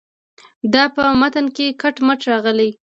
دا په متن کې کټ مټ راغلې.